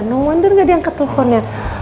no wonder ga diangkat teleponnya